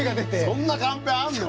そんなカンペあんの？